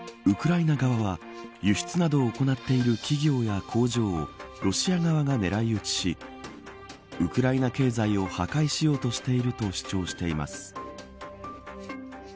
ウクライナ側は輸出などを行っている企業や工場をロシア側が狙い撃ちしウクライナ経済を破壊しようとしていると主張しています。